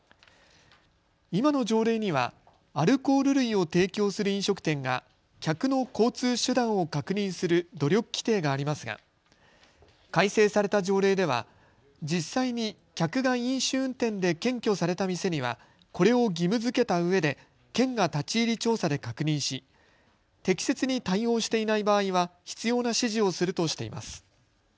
今の条例にはアルコール類を提供する飲食店が客の交通手段を確認する努力規定がありますが改正された条例では実際に客が飲酒運転で検挙された店にはこれを義務づけたうえで県が立ち入り調査で確認し適切に対応していない場合は必要な指示をするとしています。